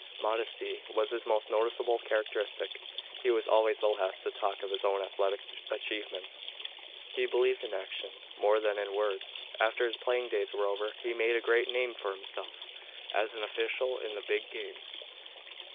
Modesty was his most noticeable characteristic. He was always the last to talk of his own athletic achievements. He believed in action, more than in words. After his playing days were over he made a great name for himself as an official in the big games.